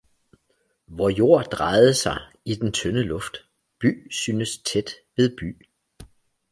Vor jord drejede sig i den tynde luft, by syntes tæt ved by